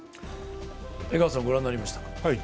江川さん、ご覧になりましたか？